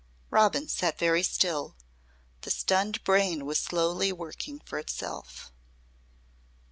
Robin sat very still. The stunned brain was slowly working for itself.